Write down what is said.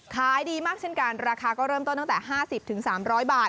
ขายดีมากเช่นกันราคาก็เริ่มต้นตั้งแต่๕๐๓๐๐บาท